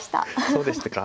そうでしたか。